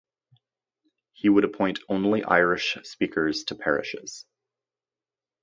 He would appoint only Irish speakers to parishes.